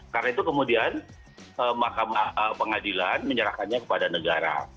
karena itu kemudian mahkamah pengadilan menyerahkannya kepada negara